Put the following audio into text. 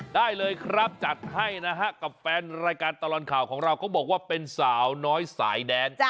ได้เลยครับจัดให้นะฮะกับแฟนรายการตลอดข่าวของเราเขาบอกว่าเป็นสาวน้อยสายแดน